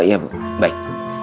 oh iya bu baik